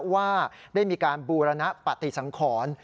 ว่าได้มีการบูรณปฏิสังขร